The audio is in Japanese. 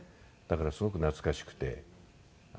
だからすごく懐かしくて。